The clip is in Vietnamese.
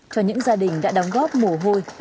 cho những gia đình đã đóng góp mù hôi